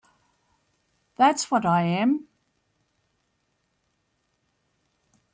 That's what I am.